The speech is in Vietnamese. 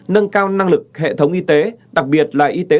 nâng cao năng lực hệ thống y tế